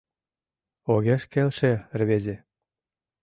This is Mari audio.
— Огеш келше рвезе.